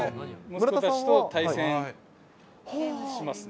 息子たちと対戦しますね。